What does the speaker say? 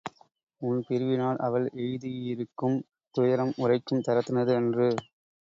உன் பிரிவினால் அவள் எய்தியிருக்கும் துயரம் உரைக்கும் தரத்தினது அன்று.